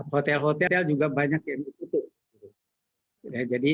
hotel hotel juga banyak yang ditutup